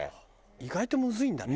意外とむずいんだね。